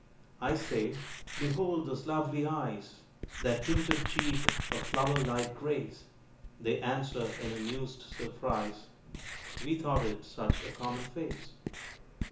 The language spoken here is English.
I say, "Behold those lovely eyes That tinted cheek of flower like grace." They answer in amused surprise: "We thought it such a common face."